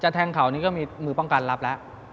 แทงเขานี่ก็มีมือป้องกันรับแล้ว